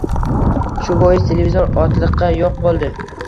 Shu bois televizor otliqqa yo‘q bo‘ldi.